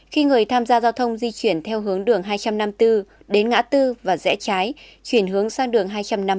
khi người tham gia giao thông di chuyển theo hướng đường hai trăm năm mươi bốn đến ngã tư và rẽ trái chuyển hướng sang đường hai trăm năm mươi